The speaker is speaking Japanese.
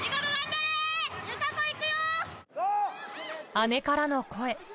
姉からの声。